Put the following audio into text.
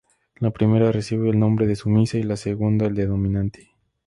La primera recibe el nombre de sumisa, y la segunda el de dominante.